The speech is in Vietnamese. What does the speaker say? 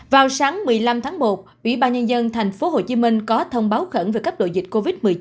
vào sáng một mươi năm tháng một ủy ban nhân dân tp hcm có thông báo khẩn về cấp độ dịch covid một mươi chín